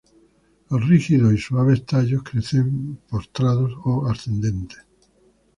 Los rígidos y suaves tallos crecen postrados o ascendentes.